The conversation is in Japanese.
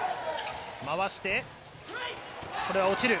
回して、これは落ちる。